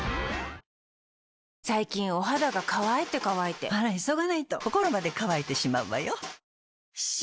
最近お肌が乾いて乾いてあら急がないと心まで乾いてしまうわよ。